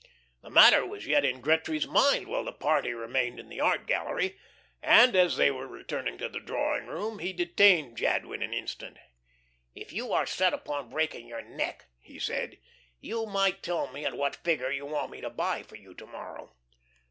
The matter was yet in Gretry's mind while the party remained in the art gallery; and as they were returning to the drawing room he detained Jadwin an instant. "If you are set upon breaking your neck," he said, "you might tell me at what figure you want me to buy for you to morrow."